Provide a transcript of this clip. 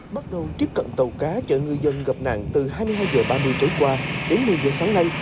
bắt đầu tiếp cận tàu cá chợ ngư dân gặp nạn từ hai mươi hai h ba mươi tối qua đến một mươi h sáng nay